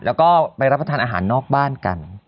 แล้วก็ไปรับประทานอาหารนอกบ้านกัน